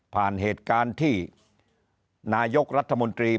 เหตุการณ์ที่นายกรัฐมนตรี